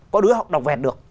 có đứa học đọc vẹt được